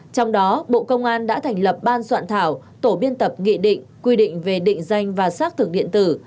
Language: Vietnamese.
trong đó bộ công an đã thành lập ban soạn thảo tổ biên tập nghị định quy định về định danh và xác thực điện tử